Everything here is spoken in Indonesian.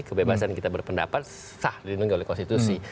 kebebasan kita berpendapat sah dilindungi oleh konstitusi